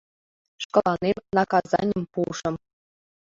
Шкаланем наказаньым пуышым...